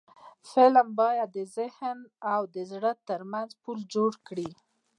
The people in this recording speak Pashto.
فلم باید د ذهن او زړه ترمنځ پل جوړ کړي